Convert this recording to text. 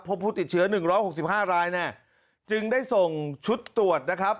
พบผู้ติดเชื้อ๑๖๕รายเนี่ยจึงได้ส่งชุดตรวจนะครับ